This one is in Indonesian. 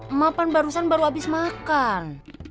emang pan barusan baru abis makan